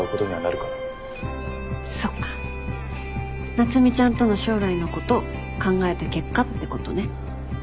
夏海ちゃんとの将来のこと考えた結果ってことね。